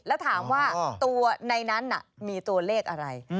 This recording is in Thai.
แล้วถามว่าตัวในนั้นมีตัวเลขอะไร